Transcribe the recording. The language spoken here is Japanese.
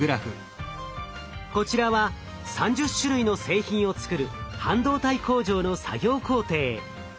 こちらは３０種類の製品を作る半導体工場の作業工程。